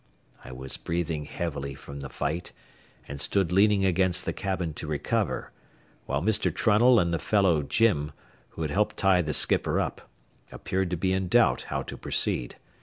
I was breathing heavily from the fight, and stood leaning against the cabin to recover, while Mr. Trunnell and the fellow Jim, who had helped tie the skipper up, appeared to be in doubt how to proceed.